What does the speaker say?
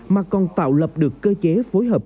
mà còn tạo lập được cơ chế phối hợp